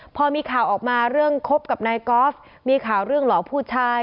พอมีข่าวออกมาเรื่องคบกับนายกอล์ฟมีข่าวเรื่องหลอกผู้ชาย